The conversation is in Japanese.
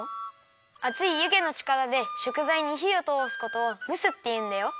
あついゆげのちからでしょくざいにひをとおすことを「むす」っていうんだよ。